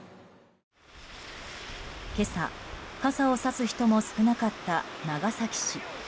今朝、傘をさす人も少なかった長崎市。